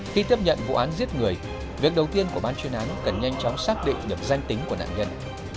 khi tiếp nhận vụ án giết người việc đầu tiên của ban chuyên án cần nhanh chóng xác định được danh tính của nạn nhân